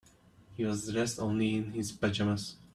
He was dressed only in his pajamas.